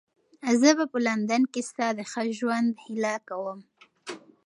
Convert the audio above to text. زه به په لندن کې ستا د ښه ژوند هیله کوم.